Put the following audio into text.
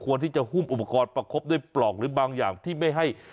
ที่จะหุ้มอุปกรณ์ประคบด้วยปลอกหรือบางอย่างที่ไม่ให้